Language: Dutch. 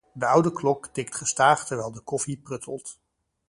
De oude klok tikt gestaag terwijl de koffie pruttelt.